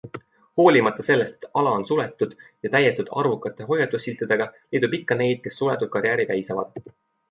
Hoolimata sellest, et ala on suletud ja täidetud arvukate hoiatussiltidega, leidub ikka neid, kes suletud karjääri väisavad.